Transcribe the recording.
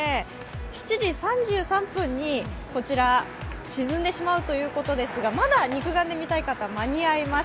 ７時３３分にこちら、沈んでしまうということですがまだ肉眼で見たい方、間に合います